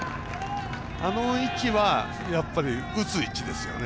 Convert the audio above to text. あの位置は打つ位置ですよね。